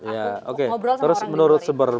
ngobrol sama orang lain terus menurut sumber